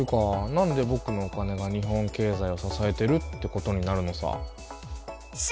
んでぼくのお金が日本経済を支えているってことになるのさ。